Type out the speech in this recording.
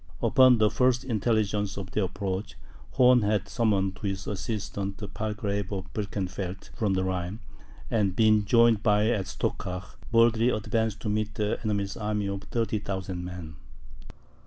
Upon the first intelligence of their approach, Horn had summoned to his assistance the Palsgrave of Birkenfeld, from the Rhine; and being joined by him at Stockach, boldly advanced to meet the enemy's army of 30,000 men.